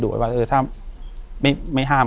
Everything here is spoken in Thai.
อยู่ที่แม่ศรีวิรัยิลครับ